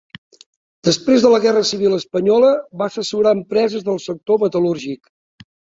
Després de la guerra civil espanyola va assessorar empreses del sector metal·lúrgic.